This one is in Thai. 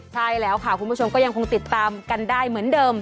ใช่แล้วค่ะคุณผู้ชมก็ยังคงติดตามกันได้เหมือนเดิม